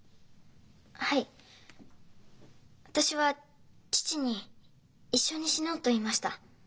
はい私は父に「一緒に死のう」と言いました。